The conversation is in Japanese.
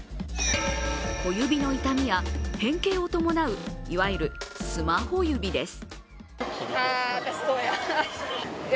小指の痛みや、変形を伴ういわゆるスマホ指です。